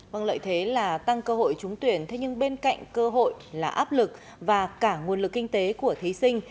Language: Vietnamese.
vâng lợi thế là tăng cơ hội trúng tuyển thế nhưng bên cạnh cơ hội là áp lực và cả nguồn lực kinh tế của thí sinh